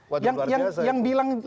waduh luar biasa itu